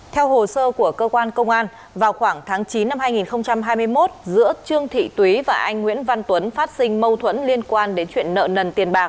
theo hồ sơ của cơ quan công an vào khoảng tháng chín năm hai nghìn hai mươi một giữa trương thị túy và anh nguyễn văn tuấn phát sinh mâu thuẫn liên quan đến chuyện nợ nần tiền bạc